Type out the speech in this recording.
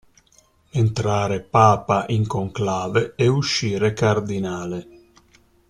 Entrare papa in conclave e uscire cardinale.